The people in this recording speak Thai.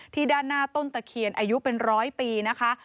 ด้านหน้าต้นตะเคียนอายุเป็นร้อยปีนะคะ